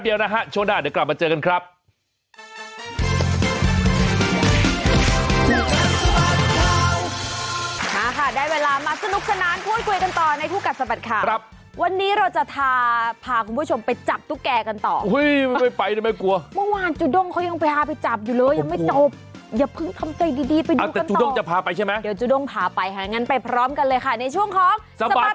เดี๋ยวเราจะพักกันอีกแป๊บเดียวนะฮะช่วงหน้าเดี๋ยวกลับมาเจอกันครับ